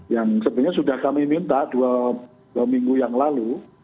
yang sebenarnya sudah kami minta dua minggu yang lalu